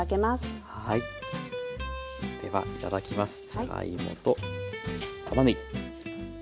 じゃがいもとたまねぎ。